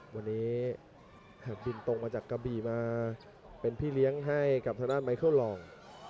วันนี้แผ่นพินตรงมาจากกะบีมาเป็นพี่เลี้ยงให้ทะด้านไมเคิลหลอง